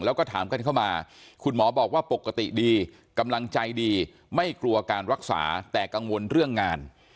แล้วก็ถามกันเข้ามาคุณหมอบอกว่าปกติดีกำลังใจดีไม่กลัวการรักษาแต่กังวลเรื่องงาน